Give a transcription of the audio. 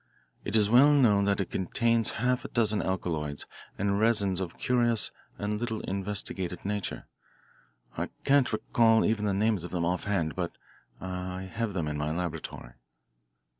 It is well known that it contains half a dozen alkaloids and resins of curious and little investigated nature. I can't recall even the names of them offhand, but I have them in my laboratory."